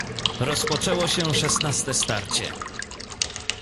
"Rozpoczęło się szesnaste starcie."